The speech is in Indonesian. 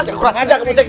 kurang aja kamu ceng